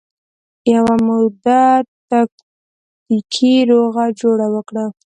یوه موده تکتیکي روغه جوړه وکړه